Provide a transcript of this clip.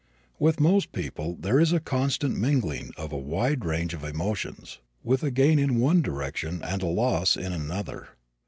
With most people there is a constant mingling of a wide range of emotions, with a gain in one direction and a loss in another.